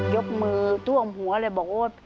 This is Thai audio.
ยกมือท่วมหัวเลยบอกโอ๊ย